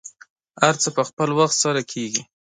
هر څه په خپل وخت سره کیږي.